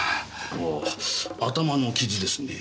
ああ頭の傷ですね。